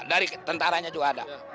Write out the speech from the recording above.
dari tentaranya juga ada